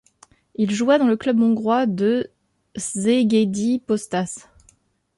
Il joua dans le club hongrois de Szegedi Postás.